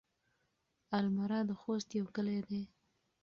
المره د خوست يو کلی دی.